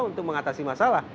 itu mengatasi masalah